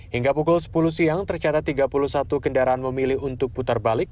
hingga pukul sepuluh siang tercatat tiga puluh satu kendaraan memilih untuk putar balik